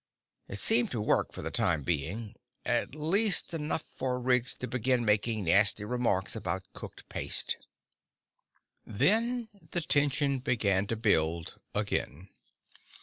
It seemed to work, for the time being at least enough for Riggs to begin making nasty remarks about cooked paste. Then the tension began to build again.